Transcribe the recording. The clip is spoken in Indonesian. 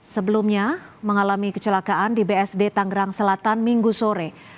sebelumnya mengalami kecelakaan di bsd tanggerang selatan minggu sore